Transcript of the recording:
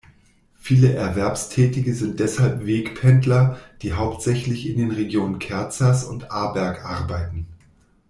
Viele Erwerbstätige sind deshalb Wegpendler, die hauptsächlich in den Regionen Kerzers und Aarberg arbeiten.